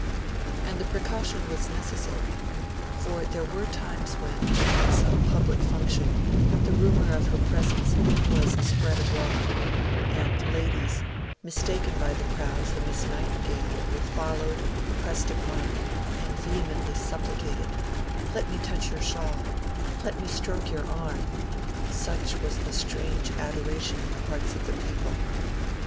And the precaution was necessary; for there were times when, at some public function, the rumour of her presence was spread abroad; and ladies, mistaken by the crowd for Miss Nightingale, were followed, pressed upon, vehemently supplicated 'Let me touch your shawl'; 'Let me stroke your arm'; such was the strange adoration in the hearts of the people.